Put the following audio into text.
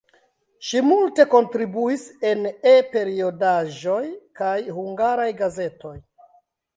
Ŝi multe kontribuis en E-periodaĵoj kaj hungaraj gazetoj.